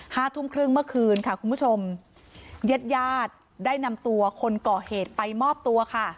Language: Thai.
ห้าทุ่มครึ่งเมื่อคืนค่ะคุณผู้ชมญาติญาติได้นำตัวคนก่อเหตุไปมอบตัวค่ะ